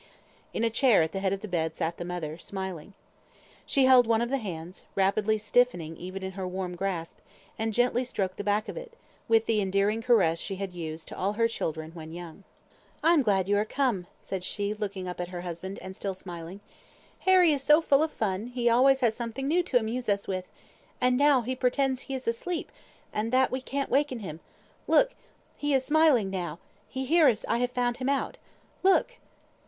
In a chair, at the head of the bed, sat the mother, smiling. She held one of the hands (rapidly stiffening, even in her warm grasp), and gently stroked the back of it, with the endearing caress she had used to all her children when young. "I am glad you are come," said she, looking up at her husband, and still smiling. "Harry is so full of fun, he always has something new to amuse us with; and now he pretends he is asleep, and that we can't waken him. Look! he is smiling now; he hears I have found him out. Look!"